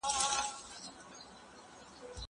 مؤمنان پر ايمان باندي ثبات او استقامت ته تشويقيږي.